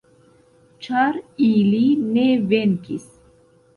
Ĉar ili ne venkis!